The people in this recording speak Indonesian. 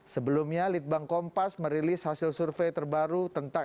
sebelumnya litbang kompas merilis hasil survei terbaru tentang